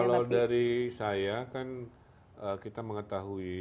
kalau dari saya kan kita mengetahui